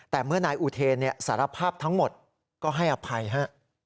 แต่เมื่อนายอูเทนสารภาพทั้งหมดก็ให้อภัยฮะ